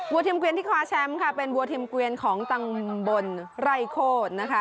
เทียมเกวียนที่คว้าแชมป์ค่ะเป็นวัวเทียมเกวียนของตำบลไร่โคตรนะคะ